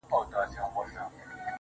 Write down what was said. دا ستا په ياد كي بابولاله وايم.